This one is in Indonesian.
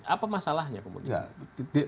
apa masalahnya kemudian